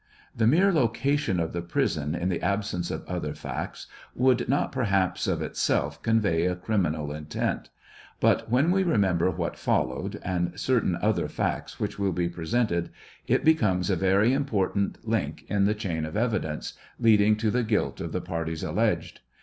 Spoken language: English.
The mere location of the prison in the absence of other facts would not per haps, of itself, convey a criminal intent ; but when we remember what followed, and certain other facts which will be presented, it becomes a very important TRIAL OF HENRY WIRZ. , 753 link in the chain of evidence leading to the guilt of the parties alleged.